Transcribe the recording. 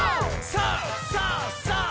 さあ！さあ！」